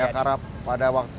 karena pada waktu